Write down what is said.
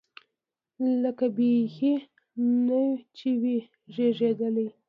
لکه بيخي نه چې وي زېږېدلی.